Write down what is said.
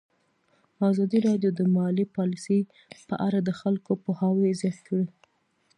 ازادي راډیو د مالي پالیسي په اړه د خلکو پوهاوی زیات کړی.